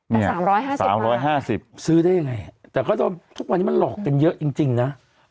มัน๓๕๐๓๕๐ซื้อได้ยังไงแต่ก็โดนทุกวันนี้มันหลอกกันเยอะจริงนะ